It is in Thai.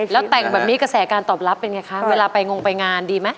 แล้วแต่งแบบนี้กระแสการตอบรับเป็นไงคะเวลาไปงงไปงานดีไหม